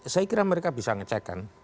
saya kira mereka bisa ngecek kan